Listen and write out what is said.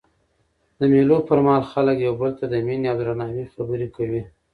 د مېلو پر مهال خلک یو بل ته د میني او درناوي خبري کوي.